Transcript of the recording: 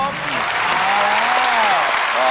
มาแล้ว